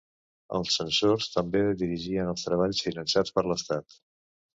Els censors també dirigien els treballs finançats per l'estat.